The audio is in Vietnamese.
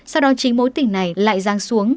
sau đó chính mối tỉnh này lại giang xuống